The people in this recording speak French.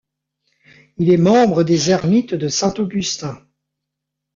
Il est membre des ermites de saint Augustin.